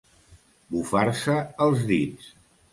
Bufar-se els dits.